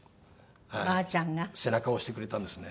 背中を押してくれたんですね。